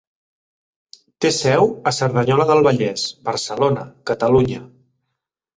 Té seu a Cerdanyola del Vallès, Barcelona, Catalunya.